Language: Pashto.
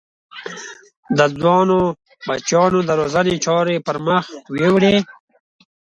د ځوانو بچیانو د روزنې چارې پر مخ ویوړې.